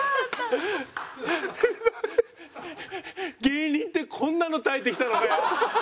芸人ってこんなの耐えてきたのかよ。